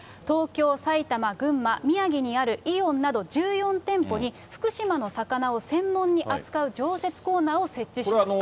東京、埼玉、群馬、宮城にあるイオンなど１４店舗に、福島の魚を専門に扱う常設コーナーを設置しました。